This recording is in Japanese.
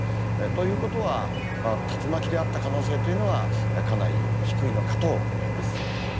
ということは、竜巻であった可能性というのはかなり低いのかと思います。